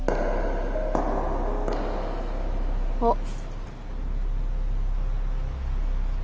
あっ。